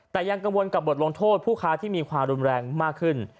แต่ยังกังวลกับบทลงโทษผู้ค้าที่มีความรุนแรงมากขึ้น